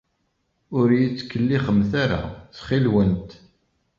Ur iyi-ttkellixemt ara, ttxil-went.